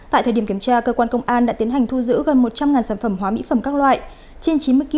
tại thời điểm kiểm tra cơ quan công an đã tiến hành thu giữ gần một trăm linh sản phẩm hóa mỹ phẩm các loại